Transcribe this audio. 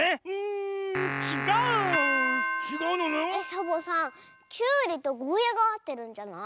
サボさんきゅうりとゴーヤーがあってるんじゃない？